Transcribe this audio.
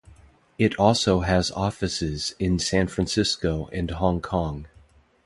It also has offices in San Francisco and Hong Kong.